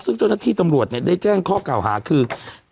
ซึ่งเจ้าหน้าที่ตำรวจได้แจ้งข้อเก่าหาคือ